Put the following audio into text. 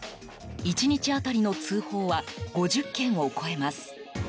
１日当たりの通報は５０件を超えます。